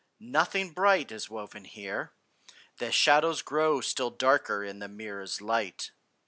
Nothing bright Is woven here: the shadows grow Still darker in the mirror's light!